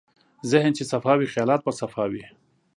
ذهن چې صفا وي، خیالات به صفا وي.